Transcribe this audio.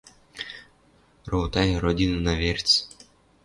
Ровотайы Родинына верц.